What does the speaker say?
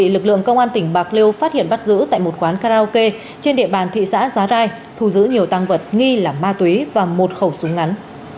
lực lượng công an tỉnh bạc liêu phát hiện bắt giữ tại một quán karaoke trên địa bàn thị xã giá rai thu giữ nhiều tăng vật nghi là ma túy và một khẩu súng ngắn